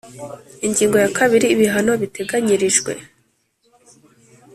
Ingingo ya kabiri Ibihano biteganyirijwe